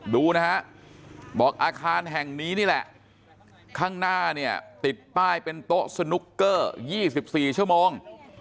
ดูนะฮะบอกอาคารแห่งนี้นี่แหละข้างหน้าเนี่ยติดป้ายเป็นโต๊ะสนุกเกอร์๒๔ชั่วโมง